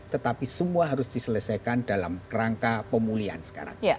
tetapi semua harus diselesaikan dalam kerangka pemulihan sekarang